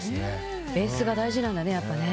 ベースが大事なんだね。